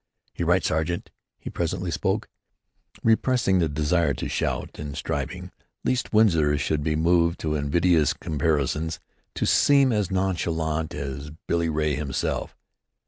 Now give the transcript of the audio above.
"You're right, sergeant," he presently spoke, repressing the desire to shout, and striving, lest Winsor should be moved to invidious comparisons, to seem as nonchalant as Billy Ray himself.